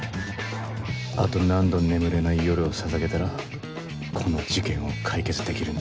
あと何度眠れない夜をささげたらこの事件を解決できるんだ